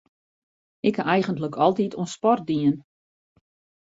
Ik ha eigentlik altyd oan sport dien.